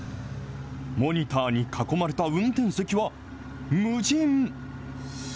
モニターに囲まれた運転席は、無人。